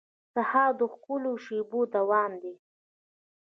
سهار د ښکلو شېبو دوام دی.